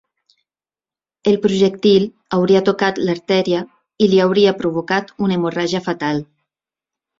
El projectil hauria tocat l'artèria i li hauria provocat una hemorràgia fatal.